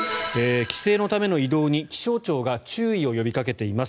帰省のための移動に気象庁が注意を呼びかけています。